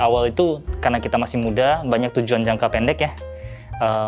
awal itu karena kita masih muda banyak tujuan jangka pendek ya